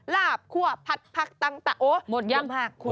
ลาบคั่วผัดผักต่างโอ้หมดยัง